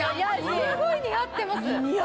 すごい似合ってます。